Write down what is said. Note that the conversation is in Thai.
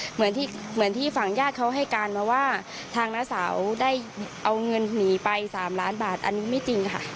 เหมือนที่ฝั่งญาติเขาให้การมาว่าทางน้าสาวได้เอาเงินหนีไป๓ล้านบาทอันนี้ไม่จริงค่ะ